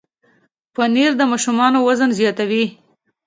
پنېر د ماشومانو وزن زیاتوي.